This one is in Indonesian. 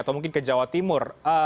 atau mungkin ke jawa timur